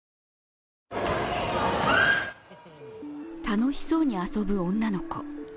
楽しそうに遊ぶ女の子。